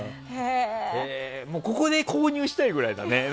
ここで購入したいぐらいだね。